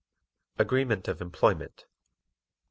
Agreement of Employment 1.